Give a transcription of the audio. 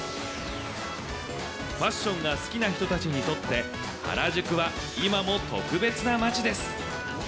ファッションが好きな人たちにとって、原宿は今も特別な街です。